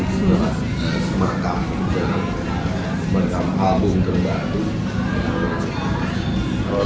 semangka berkata album terbaru